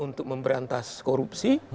untuk memberantas korupsi